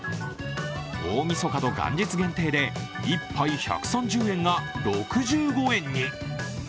大みそかと元日限定で１杯１３０円が６５円に。